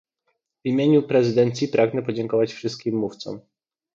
W imieniu prezydencji pragnę podziękować wszystkim mówcom